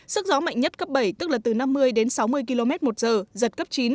sức gió mạnh nhất cấp bảy tức là từ năm mươi đến sáu mươi km một giờ giật cấp chín